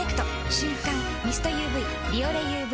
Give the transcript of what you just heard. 瞬感ミストＵＶ「ビオレＵＶ」